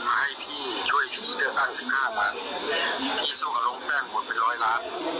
ด้วยเดือนต่างสิบห้าพันพี่สู้กับโรงแป้งหมดเป็นร้อยล้าน